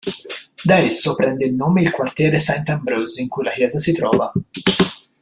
Da esso prende il nome il quartiere Saint-Ambroise in cui la chiesa si trova.